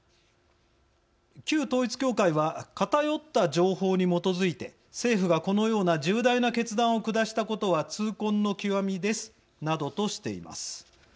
旧統一教会は「偏った情報に基づいて政府が、このような重大な決断を下したことは痛恨の極みです」などとしています。